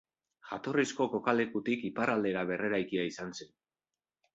Jatorrizko kokalekutik iparraldera berreraikia izan zen.